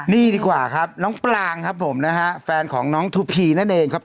นี่ดีกว่าครับน้องปลางครับผมนะฮะแฟนของน้องทูพีนั่นเองครับ